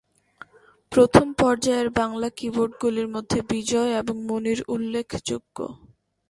প্রথম পর্যায়ের বাংলা কি-বোর্ডগুলির মধ্যে ‘বিজয়’ এবং ‘মুনীর’ উল্লেখযোগ্য।